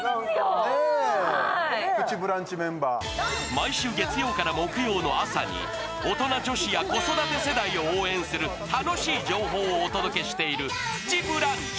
毎週月曜から木曜の朝に大人女子や子育て世代を応援する楽しい情報をお届けしている「プチブランチ」。